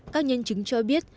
các nhân chứng cho biết